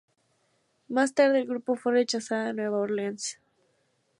Más tarde el grupo fue rechazado de Nueva Orleans.